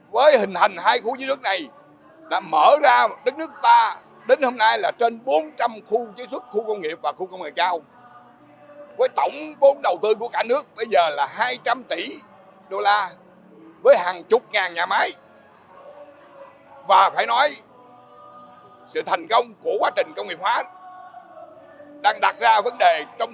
với hàng chục ngàn nhà máy và phải nói sự thành công của quá trình công nghiệp hóa đang đặt ra vấn đề trong